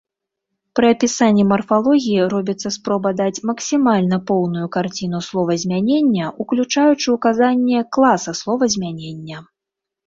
Пры апісанні марфалогіі робіцца спроба даць максімальна поўную карціну словазмянення, уключаючы ўказанне класа словазмянення.